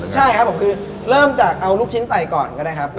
ใช่ครับผมคือเริ่มจากเอาลูกชิ้นใส่ก่อนก็ได้ครับ